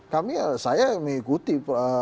kami saya mengikuti